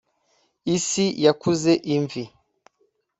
isi yakuze imvi